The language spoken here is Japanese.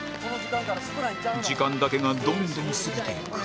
時間だけがどんどん過ぎていく